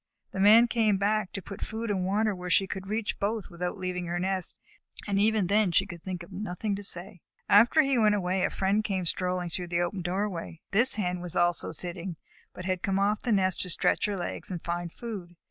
The Man came back to put food and water where she could reach both without leaving her nest, and even then she could think of nothing to say. After he went away, a friend came strolling through the open doorway. This Hen was also sitting, but had come off the nest to stretch her legs and find food.